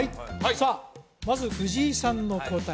さあまず藤井さんの答え